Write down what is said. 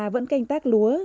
vẫn canh tác lúa